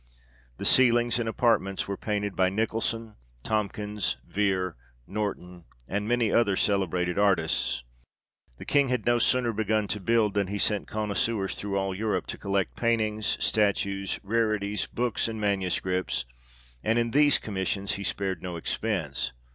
The ceilings and apartments were painted by Nicholson, Tomkins, Vere, Norton, and many other celebrated artists. The King had no sooner begun to build than he sent connoisseurs through all Europe to collect paintings, statues, rarities, books, and manuscripts, and in these commissions he spared no expense.